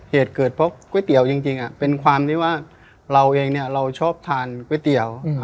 เหตุเกิดเพราะก๋วยเตี๋ยวจริงเป็นความที่ว่าเราเองเราชอบทานก๋วยเตี๋ยว